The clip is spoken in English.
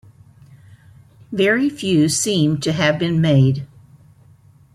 Very few seem to have been made.